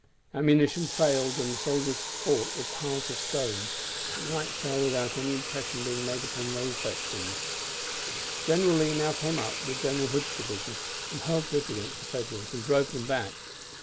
Ammunition failed, and the soldiers fought with piles of stones, but night fell without any impression being made upon these veterans. General Lee now came up with General Hood's division, and hurled this against the Federals and drove them back.